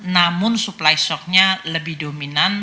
namun supply shocknya lebih dominan